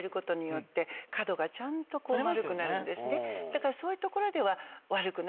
だからそういうところでは。